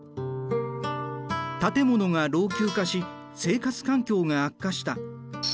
建物が老朽化し生活環境が悪化した。